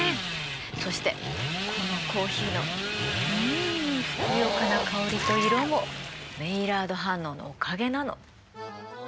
そしてこのコーヒーのうんふくよかな香りと色もメイラード反応のおかげなの。